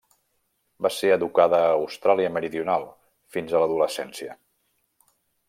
Va ser educada a Austràlia Meridional fins a l'adolescència.